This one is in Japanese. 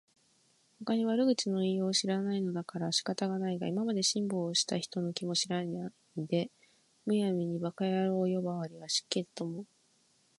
ほかに悪口の言いようを知らないのだから仕方がないが、今まで辛抱した人の気も知らないで、無闇に馬鹿野郎呼ばわりは失敬だと思う